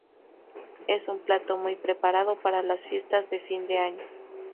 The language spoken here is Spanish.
Es un plato muy preparado para las fiestas de fin de año.